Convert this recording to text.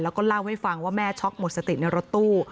แล้วก็เล่าให้ฟังว่าแม่ช็อกหมดสติในรถตู้